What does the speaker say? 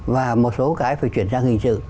và một số cái phải chuyển sang hình sự